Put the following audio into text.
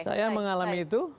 saya mengalami itu